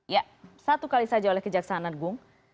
ya satu kali saja oleh kejaksaan agung